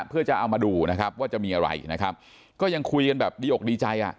เพื่อจะเอามาดูนะครับว่าจะมีอะไรนะครับก็ยังคุยกันแบบดีอกดีใจอ่ะ